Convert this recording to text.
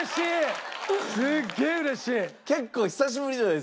すげえうれしい。